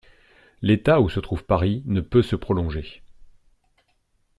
L'état où se trouve Paris ne peut se prolonger.